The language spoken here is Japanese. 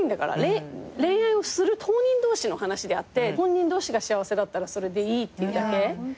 恋愛をする当人同士の話であって本人同士が幸せだったらそれでいいっていうだけ。